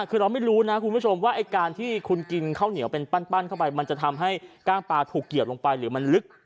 เราไม่รู้นะชุมีวิทยุทธิวว่าอะไรก่อนที่กินข้าวเหนียวเป็นปั้นเข้าไปจะทำให้ก้างปลาหลัวลงไปหรือมันลึก